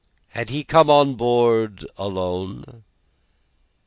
Had he come on board alone?"